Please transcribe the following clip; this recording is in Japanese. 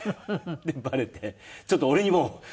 でバレて「ちょっと俺にも預からせろ！」